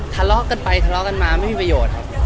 ทะเลาะกันไปทะเลาะกันมาไม่มีประโยชน์ครับ